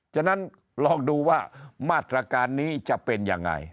ฉะนั้นลองดูว่ามาตรการนี้จะเป็นยังไง